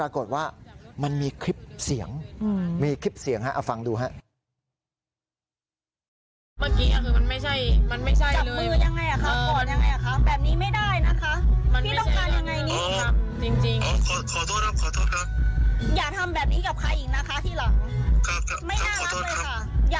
อย่าทำแบบนี้กับใครนะคะผู้หญิงขวานปลาย